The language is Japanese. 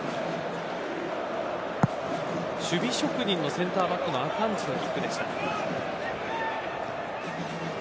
守備職人のセンターバックのアカンジのキックでした。